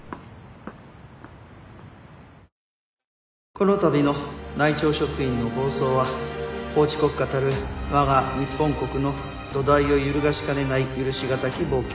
この度の内調職員の暴走は法治国家たる我が日本国の土台を揺るがしかねない許しがたき暴挙。